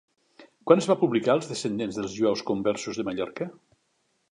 Quan es va publicar Els descendents dels Jueus Conversos de Mallorca?